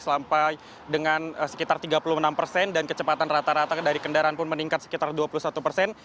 sampai dengan sekitar tiga puluh enam persen dan kecepatan rata rata dari kendaraan pun meningkat sekitar dua puluh satu persen